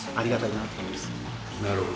なるほど。